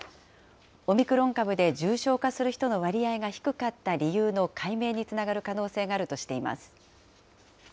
オミクロン株で重症化する人の割合が低かった理由の解明につながる可能性があるとしています。